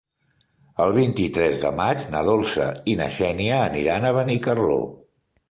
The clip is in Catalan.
El vint-i-tres de maig na Dolça i na Xènia aniran a Benicarló.